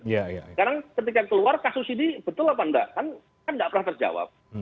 sekarang ketika keluar kasus ini betul apa enggak kan kan nggak pernah terjawab